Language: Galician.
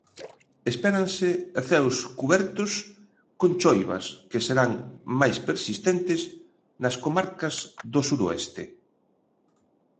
Espéranse ceos cubertos con choivas que serán máis persistentes nas comarcas do suroeste.